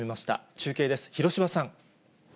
中継です、広芝さん。